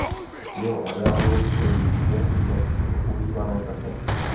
V jeho areálu stojí dvě dnes nepoužívané kaple.